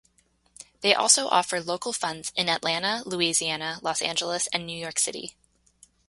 They also offer local funds in Atlanta, Louisiana, Los Angeles, and New York City.